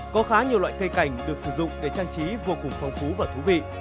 có khá nhiều loại cây cảnh được sử dụng để trang trí vô cùng phong phú và thú vị